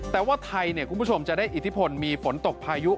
แต่ว่าไทยคุณผู้ชมจะได้อิทธิพลมีฝนตกพายุ